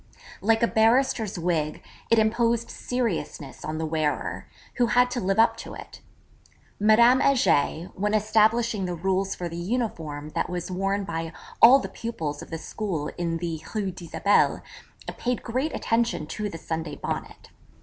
Like a barrister's wig it imposed seriousness on the wearer, who had to live up to it. Madame Heger, when establishing the rules for the uniform that was worn by all the pupils of the school in the Rue d'Isabelle, paid great attention to the Sunday Bonnet.